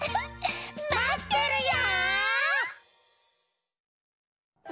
まってるよ！